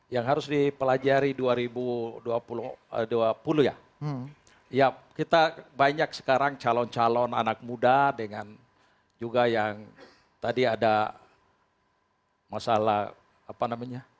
yang harus dipelajari dua ribu dua puluh ya kita banyak sekarang calon calon anak muda dengan juga yang tadi ada masalah apa namanya